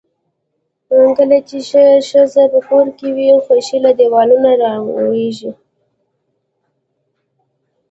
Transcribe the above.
کله چې ښه ښځۀ پۀ کور کې وي، خؤښي له دیوالونو را لؤیږي.